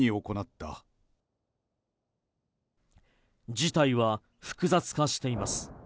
事態は複雑化しています。